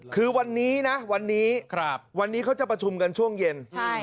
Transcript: คือวันนี้วันนี้เขาจะประชุมกันช่วงเย็น